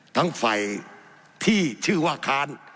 ทั้งฝ่ายที่ชื่อว่าค้าน